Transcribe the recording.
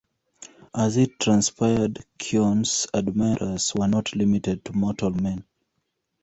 As it transpired Chione's admirers were not limited to mortal men.